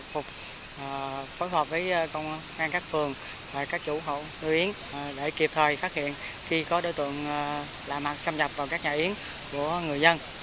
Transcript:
phục phối hợp với công an các phường và các chủ hộ tuyến để kịp thời phát hiện khi có đối tượng lạ mặt xâm nhập vào các nhà yến của người dân